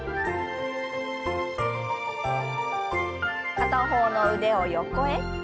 片方の腕を横へ。